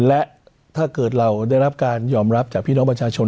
และถ้าเกิดเราได้รับการยอมรับจากพี่น้องประชาชน